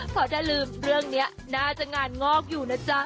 ขออย่าลืมเรื่องนี้น่าจะงานงอกอยู่นะจ๊ะ